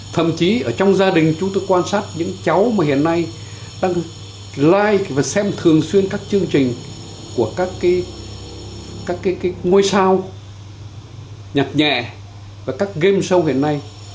thậm chí ở trong gia đình chúng tôi quan sát những cháu mà hiện nay đang live và xem thường xuyên các chương trình của các ngôi sao nhặt nhẹ và các game show hiện nay